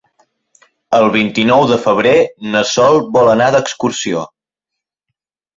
El vint-i-nou de febrer na Sol vol anar d'excursió.